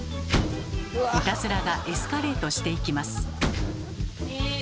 いたずらがエスカレートしていきます。